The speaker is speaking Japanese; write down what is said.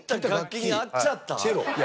チェロ？